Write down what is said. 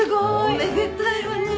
おめでたいわね。